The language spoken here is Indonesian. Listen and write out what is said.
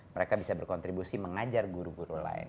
mereka bisa berkontribusi mengajar guru guru lain